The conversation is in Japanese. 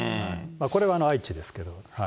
これは愛知ですけど。